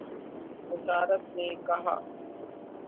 وزارت نے کہا